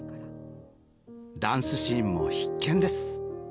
ダンスシーンも必見です！